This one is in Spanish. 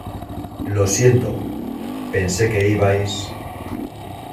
Lo siento, pensé que ibais...